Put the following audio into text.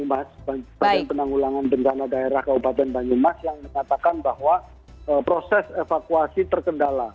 badan penanggulangan bencana daerah kabupaten banyumas yang menyatakan bahwa proses evakuasi terkendala